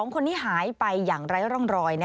๒คนนี้หายไปอย่างไร้ร่องรอย